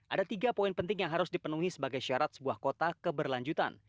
ada tiga poin penting yang harus dipenuhi sebagai syarat sebuah kota keberlanjutan